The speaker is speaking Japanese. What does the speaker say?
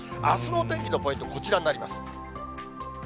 あすのお天気のポイント、こちらになります。